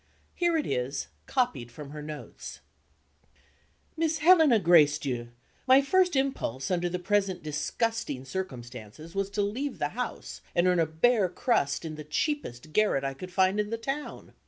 Here it is, copied from her notes: "Miss Helena Gracedieu, my first impulse under the present disgusting circumstances was to leave the house, and earn a bare crust in the cheapest garret I could find in the town.